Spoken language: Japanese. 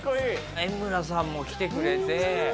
エムラさんも来てくれて。